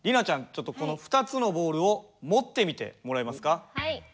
ちょっとこの２つのボールを持ってみてもらえますか？はい。